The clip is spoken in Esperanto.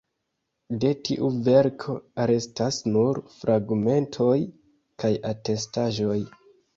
De tiu verko restas nur fragmentoj kaj atestaĵoj.